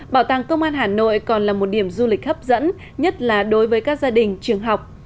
bảo tàng công an hà nội còn là một điểm du lịch hấp dẫn nhất là đối với các gia đình trường học